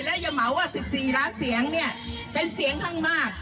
และยะเหมาว่า๑๔ล้านเสียงเป็นเสียงข้างมาก